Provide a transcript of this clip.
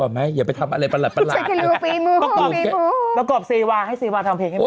โอ๊ยอย่าเราก่อนลูกให้อยู่ของเขาดีสักทีแล้ว